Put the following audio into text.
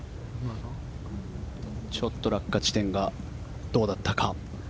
ちょっと落下地点がどうだったか。